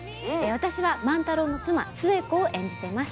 私は万太郎の妻寿恵子を演じています。